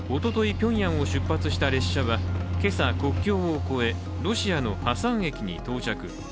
ピョンヤンを出発した列車は今朝、国境を越え、ロシアのハサン駅に到着。